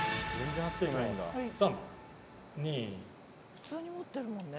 普通に持ってるもんね。